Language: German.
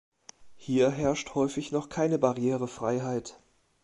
Hier herrscht häufig noch keine Barrierefreiheit.